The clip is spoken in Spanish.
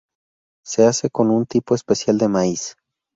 Se hace con un tipo especial de maíz.